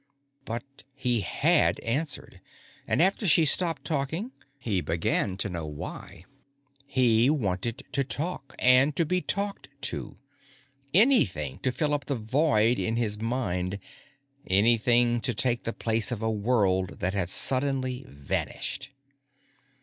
But he had answered, and after she stopped talking, he began to know why. He wanted to talk and to be talked to. Anything to fill up the void in his mind; anything to take the place of a world that had suddenly vanished.